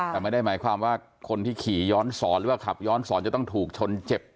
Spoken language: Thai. แต่ไม่ได้หมายความว่าคนที่ขี่ย้อนสอนหรือว่าขับย้อนสอนจะต้องถูกชนเจ็บ